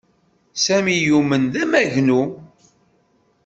Sami yuman d amagnu